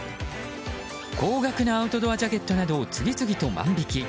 高額なアウトドアジャケットなどを次々と万引き。